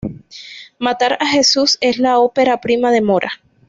Matar a Jesús es la opera prima de Mora.